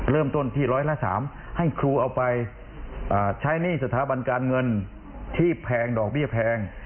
เริ่มต้นที่ร้อยละ๓ให้ครูเอาไปใช้หนี้สถาบันการเงินที่แพงดอกเบี้ยแพง